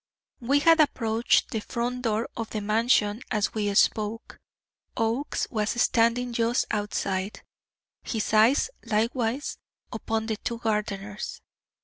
We had approached the front door of the Mansion as we spoke. Oakes was standing just outside, his eyes likewise upon the two gardeners.